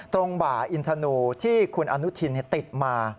บ่าอินทนูที่คุณอนุทินติดมา